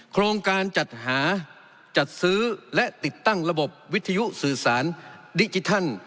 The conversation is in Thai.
โครงการจัดหาจัดซื้อและติดตั้งระบบวิทยุสื่อสารดิจิทัล